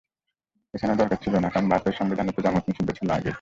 এখানেও দরকার ছিল না, কারণ বাহাত্তরের সংবিধানে তো জামায়াত নিষিদ্ধ ছিল আগেই।